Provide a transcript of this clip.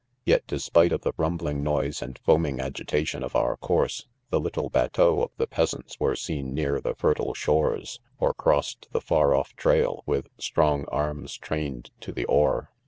Yet,, despite of the rumbling noise and foaming agitation of our course; the light batteaux of the peasant's .were seen near the 'fertile shores, or crossed the' far off 'trail with strong a* ms trained ' to the : oar.